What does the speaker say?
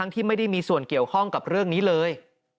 พร้อมกับเรื่องนี้เลย